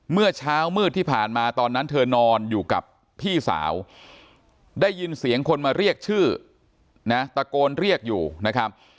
เมื่อเช้ามืดที่ผ่านมาตอนนั้นเธอนอนอยู่กับพี่สาวได้ยินเสียงคนมาเรียกชื่อนะตะโกนเรียกอยู่นะครับ